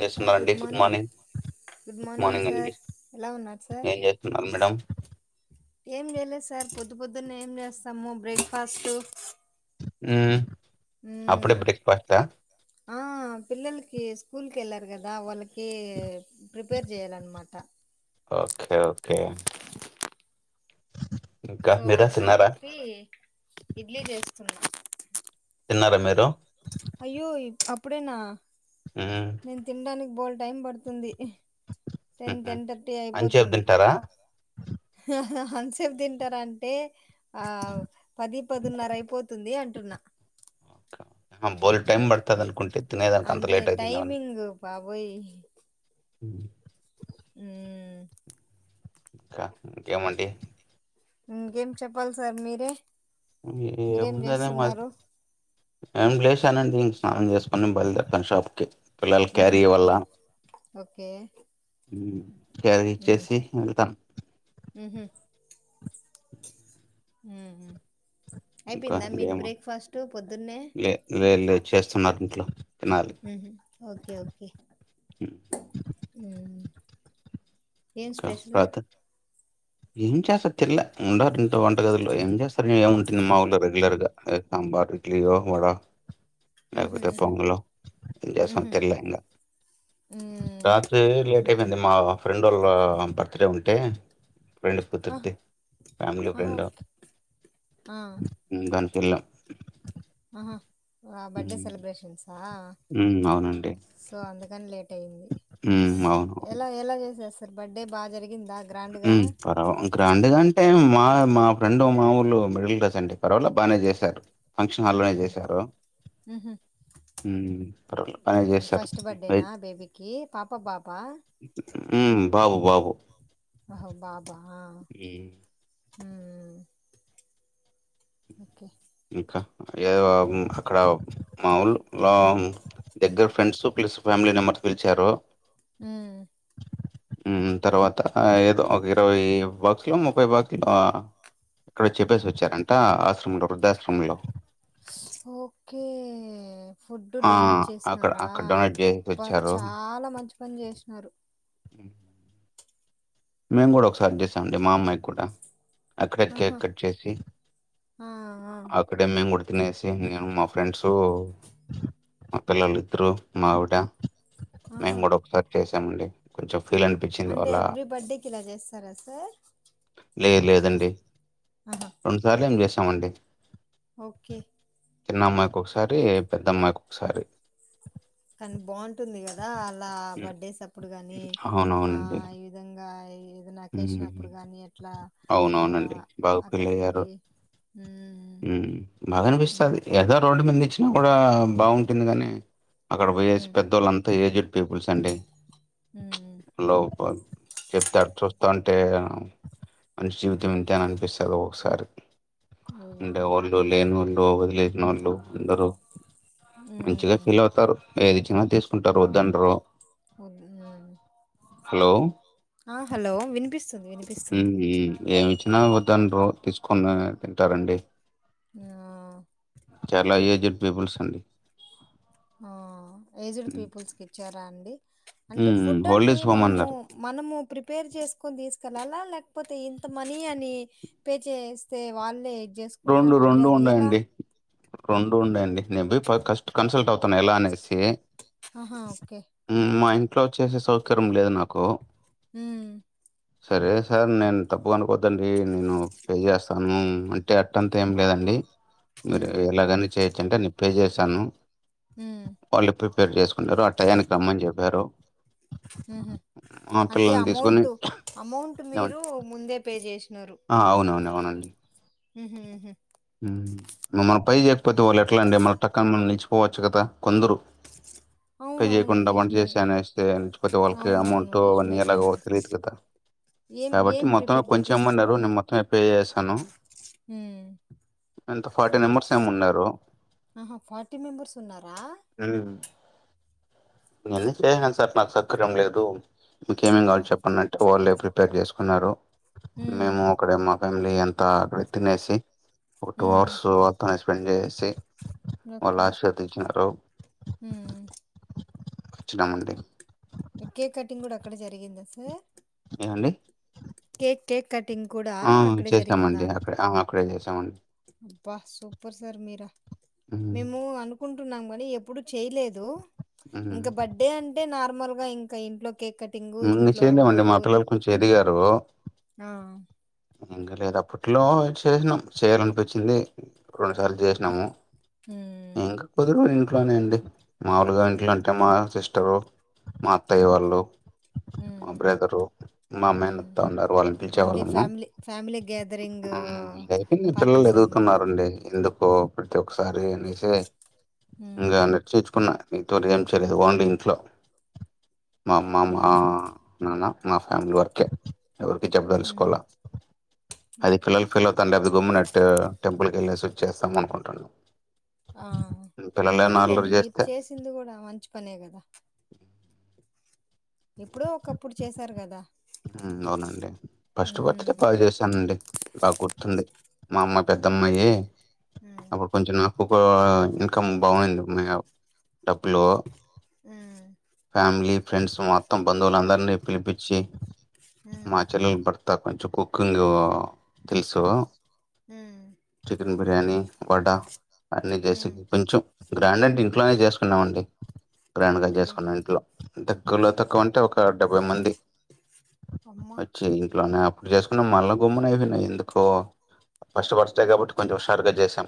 చేస్తున్నారండి good morning good morning sir ఎలా ఉన్నారు సార్ ఏం చేస్తున్నారు మేడం? ఏం చేయలేదు సార్ పొద్దు పొద్దున్నే ఏం చేస్తాము బ్రేక్ఫాస్ట్ హ్మ్ అప్పుడే బ్రేక్‌ఫాస్టా? ఆ పిల్లలకి స్కూల్కి వెళ్లారు కదా వాళ్ళకి కి ప్రిపేర్ చేయాలన్నమాట ఓకే. ఓకే. ఇంకా సో మీరు అందుకని తిన్నారా? చెప్పి ఇడ్లీ చేస్తున్నా తిన్నారా మీరు అయ్యో అప్పుడేనా హ్మ్. నేను తినడానికి బోలెడు టైం పడుతుంది టెన్ హుహు. టెన్ థర్టీ అంచేపు అయిపోతుంది తింటారా? అంతసేపు తింటార అంటే ఆ పది పదున్నర అయిపోతుంది అంటున్నా అహ బోలెడు టైమ్ పడతది అనుకుంటే తినే దానికి అంత లేట్ అయితుందేమో అని ఓయ్ హ్మ్ హ్మ్ ఇంకా ఇంకేమండి ఇంకేం చెప్పాలి సార్ మీరే ఏ మీరేం ఉందనే మరి చేస్తున్నారు ఏం లేషానండి స్నానం చేసుకోని బయలుదేరతాను షాప్ కి పిల్లలకి మ్హు క్యారి ఇవ్వాల ఓకే మ్మ్ క్యారీచ్చేసి వెళ్తాను మ్హు హ్మ్ ఇంకా అయిపోయిందా మీది ఇంకేమో బ్రేక్ఫాస్ట్ పొద్దున్నే లే లే లేదు చేస్తున్నారు ఇంట్లో ఊహూ ఓకే ఓకే హ మ్మ్ ఏం స్పెషలు రాత్రి ఏం చేస్తారు తినల ఉండారు ఇంట్లో వంటగదిల్లో ఏం చేస్తారు ఏముంటుంది మామూలుగా రెగ్యులర్ గా బా ఇడ్లీయో వడ మ్హు లేకపోతే మ్హు పొంగలో ఏం చేస్తాం మ్హు తినలేంగా మ్మ్ రాత్రి లేట్ అయిపోయింది మా ఫ్రెండ్ వాళ్ళ బర్త్డే ఉంటే ఫ్రెండ్ ఆహ కూతుర్ది ఫ్యామిలీ ఆహా ఫ్రెండ్ ఓకే ఆ అందుకని వెళ్ళాం ఆహా ఆ బర్త్డే సెలబ్రేషన్స్ హ్మ్ అవునండి అందుకని లేట్ హ్మ్. అవును. ఎలా ఎలా చేసేరు సార్ బర్డే బాగా జరిగిందా గ్రాండ్గా హ్మ్ పర్వ గ్రాండ్ గా అంటే మా మా ఫ్రెండు మామూలు మిడిల్ క్లాస్ అండి పర్వాల బానే చేశారు ఫంక్షన్ హల్లోనే ఉమ్ చేశారు ఉహు హ్మ్ పర్వాల బానే పోనీలే చేసారు ఫస్ట్ ఐ బర్త్డేనా బేబీకి పాప బాబా హ్మ్ బాబు బాబు అహ బాబా హ్మ్. హ్మ్ ఓకే ఇఏదో అక్కడ మాములు లో దగ్గరి ఫ్రెండ్స్ ప్లస్ ఫ్యామిలీ నెంబర్ పిలిచారు హ్మ్ హ్మ్ తర్వాత ఏదో ఒక ఇరవై బాక్స్ లో ముప్ఫై బాక్సులో ఇక్కడ చెప్పేసి వచ్చారంట ఆశ్రమంలో వృద్ధాశ్రమంలో ఓకే ఫుడ్ ఆ డొనేట్ అక్కడ చేసినారా అక్కడ డొనేట్ చేసి బ వచ్చారు చాలా మంచి పని చేసినారు ఉ మేము కూడ ఒకసారి చేసాం అండి మా అమ్మాయికి కూడా అక్కడ కేక్ ఆహా కట్ చేసి ఆ ఆ అక్కడే మేము కూడ తినేసి నేను మా ఫ్రెండ్స్ మక్కలలు ఇద్దరు మా ఆవిడ ఆహా మేము కూడా ఒకసారి చేసామండి కొంచెం ఫీల్ అనిపించింది అంటే వల్ల ఎవ్రీ బర్త్డేకి ఇలా చేస్తారా సార్ లేదు ఆహా లేం చేస్తామండి ఓకే చిన్నమ్మాయికి ఒకసారి పెద్దమ్మాయికి ఒకసారి కానీ బాగుంటుంది కదా అలా హ్మ్. బర్డేస్ అప్పుడు నీ ఆ అవునవునండి. ఈ విధంగా ఏదైనా అకేషన్ హ్మ్. అప్పుడు గానీ ఎట్ అట్లా ఆ అక్కడికి వెళ్ళి ఉమ్ మాకు ఉమ్ అనిపిస్తుది ఏదో [unintelligible] కూడా బాగుంటుంది కాగానీ అక్కడ పోయేసి ఉమ్ పెద్దోళ్ళుంతా ఏజ్డ్ పీపుల్స్ అండి ఉమ్ లోప చెప్తాడు చూస్తా అంటే మంచి జీవితం ఎంతే అని అనిపిస్తుంది ఒకసారి అంటే వాళ్ళు లేనివాళ్ళు వదిలేని వాళ్ళు అందరు మంచిగా ఉమ్ ఫీల్ అవుతారు ఏది ఇచ్చిన తీసుకుంటారు వద్దండరూ కు హలో ఆ హలో వినిపిస్ ఏమి ఇచ్చినా వద్దండ తీసుకొని తింటారండి ఆ చాలా ఏజెడ్ పీపుల్స్ అండి ఆ ఏజ్డ్ పీపుల్స్ కి ఇచ్చారా అ అంటే హ్మ్. ఫుడ్ ఓల్డ్ అంటే ఏజ్ హోమ్ మనము అన్నారు మనము ప్రిపేర్ చేసుకొని తీసుకెళ్ళాలా లేక లేకపోతే ఇంత మనీ అని పే చేస్తే వాళ్ళే రెండు చేసుకుంటారా అండి? రెండు అది ఎలా? ఉన్నాయండి రెండు ఉండయండి నేను పోయి కస్ట్ కన్సల్ట్ అవుతాను ఎలా అనేసి ఆహా ఓకే [unintelligible] అండి హ్మ్. నేను పే చేస్తాను అంటే అట్టంతా ఏం లేదండి మీరు హ్మ్. ఎలాగని. చేయొచ్చుంటే న నిప్పే చేశాను.. హ్మ్. వాళ్ళు ప్రిపేర్ చేసుకున్నారు ఆ టయానికి రమ్మని చెప్పారు. ఆ అంటే పిల్లల్ని తీసుకుని అమౌంట్ అమౌంట్ మీరు ఏమండి? ముందే పే చేసి ఆ అవునవును అవునండి. [unintelligible] మమల్ని పై చేయకపోతే వాళ్ళు ఎట్లా అండి మన టక్కన మనని నిలిచిపోవచ్చు కదా కొందరు పే అవునవును. చేయకుండాపాట్ నిజమే. చేసే అని వస్తే నిచ్చిపోతే వాళ్ళకి అవునవును. అమౌంట్ వన్ ఇయర్ లాగా నిజమేలెండి. తెలియదు కదా ఏం కాబట్టి ఏం మొత్తంలో ప్రిపేర్ కొంచెం ఇమ్మన్నారు నేను మొత్తం పే చేశాను. హు ఎంత ఫార్టీ మెంబర్స్ ఏమో ఉన్నారు. అని మెంబెర్స్ ఉన్నారా. నేన్న చేయనాను సార్ నాకు సకర్యం లేదు ఆ మీకేమేమి కావచ్చు చెప్పండి అంటే వల్లే [unintelligible] పేక్ చేసుకున్నారు హ్మ్ మేము అక్కడ మా ఫ్యామిలీ అంతా అక్కడ తినేసి ఒక టూ హ్మ్ అవర్స్ వాత్తని స్పెండ్ చేసి ఓకే వాళ్ళశధచ్చినార. హ్మ్ వచ్చినామండి కేక్ కటింగ్ కూడా అక్కడ జరిగిందా సార్ ఏవండి కేక్ కేక్ కటింగ్ కూడా ఆ అక్కడే జరిగిందా చేశామండి అన్ అక్కడే అక్కడే చేసామండి అబ్బా సూపర్ సార్ మీరా ఉమ్, మేము అనుకుంటున్నాం మనీ ఎప్పుడు చేయలేదు ఉమ్. ఇంకా బర్డే అంటే నార్మల్ గా ఇంకా ఇంట్లో కేక్ కటింగు, ఇ ఇంట్లో చేయలేమండి మా బంధువులు పిల్లలు కొంచెం ఎదిగారు ఆ! ఇంకా లేదు అప్పట్లో చేసినాం చేయ్యాలనిపించింది రెండు సార్లు చేసినాము హ ఇంకా కొద్ది రోజులు ఇంట్లోనే అండి మాములుగా ఇంట్లో అంటే మా సిస్టరు మా అత్తయ్య వాళ్ళు మా హ్మ్. బ్రదరు హ్మ్. మేనత్త వాళ్ళు ఉన్నారు వాళ్ళని ఓన్లీ పిలిచేవాళ్ళము ఫ్యామిలీ ఫ్యామిలీ గేదరింగ్ హ్మ్. ఇది అయిపోయింది పిల్లలు పార్టీస్ అన్నమాట ఎదుగుతున్నారండి ఎందుకు ప్రతి ఒక్కసారి అనేసి హ్మ్. ఇంకా నర్చర్చుకున్న. మీ తర్ ఏం చేరయదు బండి ఇంట్లో మా అమ్మ మా హ్మ్. నాన్న మా ఫ్యామిలీ వరకే ఎవరికి హ్మ్. చెప్పదలుచుకోల అది ఓకే. [unintelligible] టెంపుల్ వెళ్ళేసి వచ్చీ చేస్తాం అనుకుంటున్నాం ఆ పిల్లలేమన్నా అల్లరి పోనీలేండి మీరు చేస్తే చేసింది కూడా మంచి పనే కదా ఎప్పుడో ఒకప్పుడు చేసారు కదా అవునండి ఫస్ట్ ఉమ్ బర్త్డే బాగా చేశానండి బగ గుర్తుంది ఫస్ట్ మా అమ్మాయి పెద్దమ్మాయి ఉమ్ అప్పుడు కొంచెం నాకు ఇన్కమ్ బాగుంది మా డబ్బులు ఉమ్ ఫ్యామిలీ ఫ్రెండ్స్ మొత్తం బంధువులందరినీ పిలిపించి ఉమ్ మాచెల్లెలు బర్త్ అ కొంచెం కుకింగ్ తెలుసు ఉమ్ చికెన్ బిర్యానీ వడ అన్ని చేసి ఉమ్ కొంచెం గ్రాండ్ అంటే ఇంట్లోనే చేసుకున్నాము అండి ఓకే ఇంట్లో తక్కువలో తక్కువ అంటే ఒక డెబ్బై మంది అమ్మా వచ్చి ఇంట్లోనే ఇప్పుడు చేసుకున్న మళ్ళా గుమ్మున అయిపోయినాయి ఎందుకో ఉమ్, ఫస్ట్ బర్త్ డే కాబట్టి కొంచెం హషారుగా చేసాం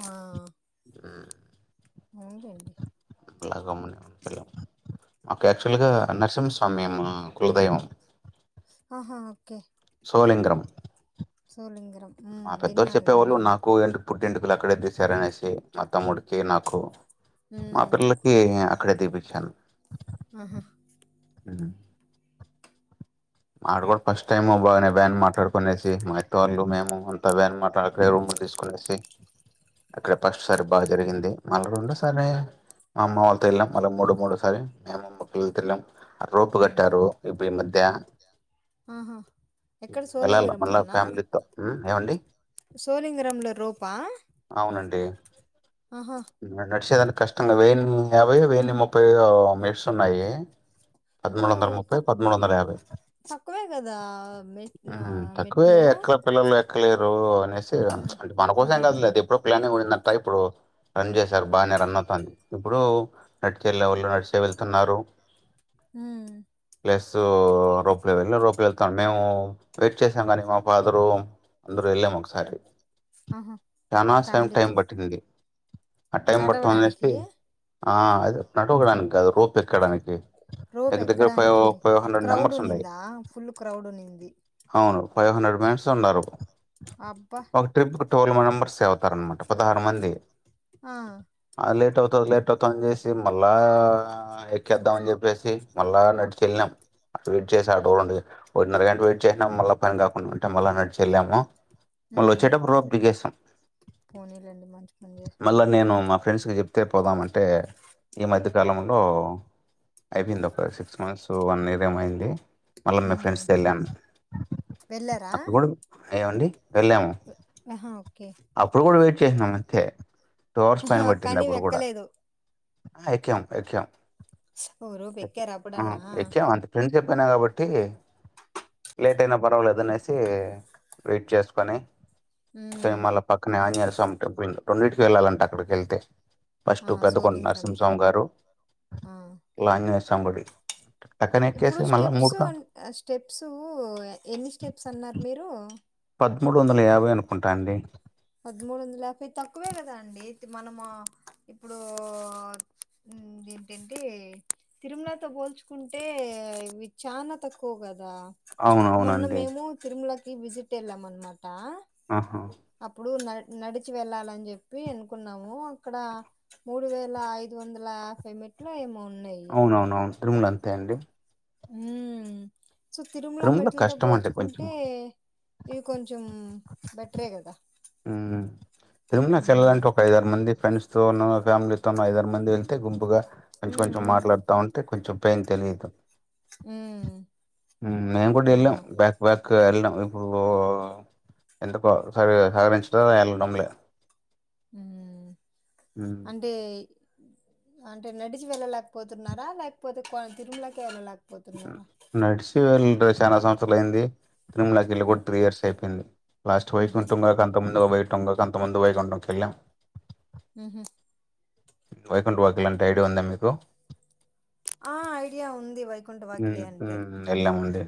ఆ అవునులేండి [unintelligible] హలో మాకు యాక్చువల్గా ఉమ్ నరసింహస్వామి మా కులదైవం ఆహా ఓకే సోలింగ్రం సోలింగరం ఉమ్ మా పెద్దళ్ళ విన్నాను చెప్పేవాళ్ళు విన్నాను నాకు ఎ పుట్టి ఎ లా కడ దసారనేసి మా తమ్ముడికి నాకు మా ఉమ్ పిల్లలకి అక్కడే తీపించ ఆహా అ మాడు కూడా ఫస్ట్ టైమ్ బాగానే బ్యాన్ మాట్లాడుకునేసి మా ఇత్తళ్లు మేము అంత బ్యాన్ మాట్లాడక తీసుకునేసి అక్కడ ఫస్ట్ సారి బాగా జరిగింది మళ్ళ రెండు సారీ మా అమ్మ వాళ్ళ త వెళ్ళాంళ్ మూడు మూడు సారి మేముమ్మక్క తెళ్ళాం ఉమ్ రూపుగట్టారు ఇప్పు ఈ మధ్య ఆహా ఎక్కడ వెళ్ళాల మళ్ళా ఫ్యామిలీతో ఏమండి సోళంగరంలో రూపా నడిచద కష్టంగా వను యాభై వెయ్యి ముప్పై మేట్స్ ఉన్నాయి ఓ పదమూడు వందల ముప్పై తక్ పద్మూడు వందల యాభై తక్కువే కదా మెట్ మ్ తక్కువే మెట్లు ఎక్క పిల్లలు ఎక్కలేరు అనేసి, ఆ అంటె మా మనకోసం ఆహా కాదులే. అదెప్పుడో పియానో కొనిందంట ఇప్పుడు రన్ చేశారు బానే రన్ అవుతాంది. ఇప్పుడు నెట్ కెళ్ళే వాళ్ళు నడిచే వెళ్తున్నారు. ఉమ్ ప్లస్ రోబ్ రోపో వెళ్తాను మేము వెయిట్ చేసాం కాని, మా ఫాదరు అందరూ వెళ్ళాము ఒకసారి. ఆహా చానా సెయిమ్ టైం ఫ్యామిలీతో పట్టింది. ఆ టైం పడ్తుంది నడవడానికి అనేసి, ఆ అది నటువడానికి కాదు. రోప్ ఎక్కడానికి. రోప్ దగ్గర దగ్గర ఫైవ్ ఎక్కడానికి ఫైవ్ హండ్రెడ్ క్రౌడ్ మెంబర్స్ ఉన్నాయి ఉన్నిందా! ఫుల్ క్రౌడ్ ఉన్నింది. అవును ఫైవ్ హండ్రెడ్ మెన్స్ ఉన్నారు. అబ్బా టోల్ మెంబర్సే అవుతారనమాట. పదహారు మంది. ఆ ఆ లేట్ అవుతది లేట్ అవుతదన్చేసి మళ్ళా ఎక్కేద్దాం అని చెప్పేసి మళ్ళా నడిచి ఎళ్ళినాం. వెయిట్ చేసా ఆటోవన్టికి ఒకటిన్నర గంట వెయిట్ చేసినాం. మళ్ల పని కాకుండా ఉంటే, మల్ల నడిచెల్లాము. మల్ల ఉమ్ వచ్చేటప్పుడు రోప్ దిగేశాం. పోనీలేండి మంచి పని మళ్ళా చేసినారు నేను మా ఫ్రెండ్స్ కి చెప్తే పోదాం అంటే, ఈ మధ్య కాలంలో అయిపోయింది. ఒక సిక్స్ మంత్స్ వన్ ఇయర్ ఏమో అయ్యింది. మల్ల మేము ఉమ్ ఫ్రెండ్స్ తో వెళ్ళాం. వెళ్ళారా అప్పుడు కూడ, ఏమండి! వెళ్ళాము. ఆహా ఓకే అప్పుడు కూడ వెయిట్ ఎక్కేసినం అంతే టూ అవర్స్ పైన ఆహా, పట్టింది కానీ అప్పుడు కూడ. ఎక్కలేదు ఎక్కాం ఎక్కాం. ఓ రోప్ ఎక్కారా అప్పుడన్నా ఎక్కాం అంతే ఫ్రెండ్షిప్ పోయిన కాబట్ పెట్టి, లేట్ అయిన పర్వాలేదు అనేసి వెయిట్ చేసుకొని కానీ ఉమ్ మళ్ళా పక్కనే ఆంజనేయ స్వామి టెంపుల్ రొండింటికే వెళ్ళాలంట అక్కడి కెళ్తే. ఆ ఫస్ట్ పెద్దకొండు సోలింగరం నరసింహస్వామిగారు ఆ ఈ ఆంజనేయ స్వామి గుడి. టక్కన ఇప్పుడు ఎక్కేసి మళ్ళ స్టెప్స్ మూడుగా అన్- స్టెప్స్ ఎన్ని స్టెప్స్ అన్నారు మీరు పద్ముడొందల యాభై అనుకుంటా అండి. పదమూడు వందల యాభై తక్కువే కదా అండి, మనము ఇప్పుడు మ్ ఏంటంటే తిరుమలతో పోల్చుకుంటే ఇవి చాన తక్కువ కద దా మొన్న అవునవునండి మేము తిరుమలకి విజిట్ వెళ్ళాం అనమాట. ఆహా అప్పుడు న నడిచి వెళ్ళాలని చెప్పి అనుకున్నాము. అక్కడ, మూడు వేల ఐదు వంద అలా హాఫ్ ఎ మెట్లో ఏమో ఉన్ అవునవునును తిరుమల అంతే అండి. మ్ సో తిరుమల మెట్లుతో కష్టం అంటే కొంచెం పోల్చుకుంటే, ఇది కొంచెం బెటరే కదా! మ్ తిరుమల కి వెళ్ళాలంటే, ఒకయిదారు మంది ఫ్రెండ్స్ సో ను ఫ్యామిలీతోన ఐదారు మంది వెళ్తే, గుంపుగా కొంచెం హ్మ్. కొంచెం హ్మ్. మాట్లాడుతా ఉంటే, కొంచెం పెయిన్ తెలిదు. హ్మ్. మేము కూడ ఎళ్ళాం అవును. బ్యాక్ బ్యాక్ ఎళ్ళాం. ఇప్పుడు ఎందుకో సరిగ్గా సహరించడంల ఎళ్ళడంల. మ్ ఉమ్, అంటే, అంటే నడిచి వెళ్ళలేకపోతున్నారా లేకపోతే కొ తిరుమలకె వెళ్ళలేక నడిచే వెళ్న్టా చాలా సంవత్సరాలు అయింది. తిరుమలకి వెళ్ళి హ్మ్. కూడా త్రీ ఇయర్స్ అయిపోయింది. లాస్ట్ హుహు. వైకుంఠం కాక అంత ముందుగా వైకుంఠం కాక అంత ముందు వైకుంఠం కి వెళ్ళాం. మ్ హు వైకుంఠ వాకిలన్ ఆ ఐడియా ఉంది వై మ్ మ్ ఎల్లామండి.